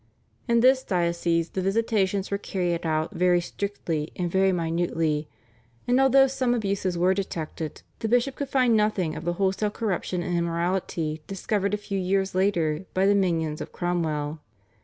In this diocese the visitations were carried out very strictly and very minutely, and although some abuses were detected the bishop could find nothing of the wholesale corruption and immorality discovered a few years later by the minions of Cromwell.